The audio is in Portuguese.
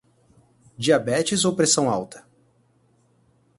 Diabetes ou pressão alta?